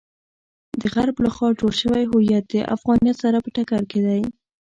د غرب لخوا جوړ شوی هویت د افغانیت سره په ټکر کې دی.